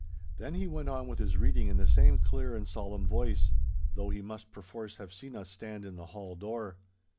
Then he went on with his reading in the same clear and solemn voice, though he must perforce have seen us stand in the hall door.